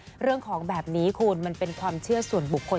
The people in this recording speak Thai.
แต่มีนักแสดงคนนึงเดินเข้ามาหาผมบอกว่าขอบคุณพี่แมนมากเลย